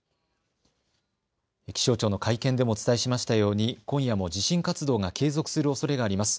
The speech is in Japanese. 気象庁の会見でもお伝えしましたように今夜も地震活動が継続するおそれがあります。